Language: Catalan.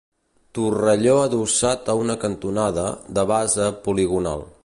Torrelló adossat a una cantonada, de base poligonal.